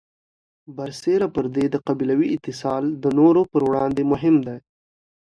برسېره پر دې، د قبیلوي اتصال د نورو پر وړاندې مهم دی.